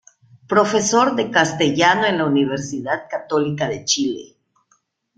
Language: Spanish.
Profesor de Castellano en la Universidad Católica de Chile.